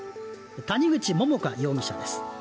谷口桃花容疑者です。